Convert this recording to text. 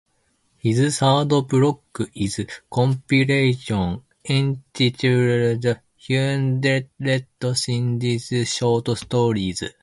His third book is compilation entitled "Hundred Sindhi short stories".